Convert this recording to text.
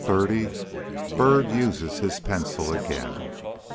XXX. BYRD USES HIS PENCIL AGAIN.